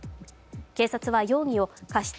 警察は容疑を過失